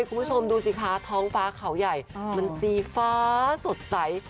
คุณผู้ชมดูสิคะท้องฟ้าเขาใหญ่มันสีฟ้าสดใส